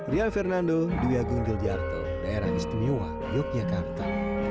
ria fernando duyagung giljarto daerah istimewa yogyakarta